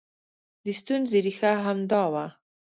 د ستونزې ریښه همدا وه